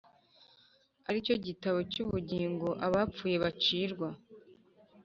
Ari cyo gitabo cy ubugingo abapfuye bacirwa